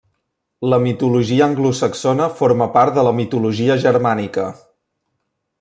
La mitologia anglosaxona forma part de la mitologia germànica.